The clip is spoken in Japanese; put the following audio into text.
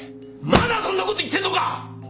まだそんなこと言ってんのか！